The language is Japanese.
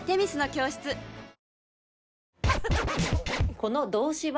この動詞は？